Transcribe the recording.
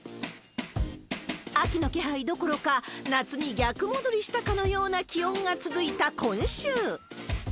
秋の気配どころか、夏に逆戻りしたかのような気温が続いた今週。